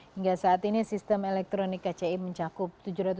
hingga saat ini sistem elektronik kci mencakup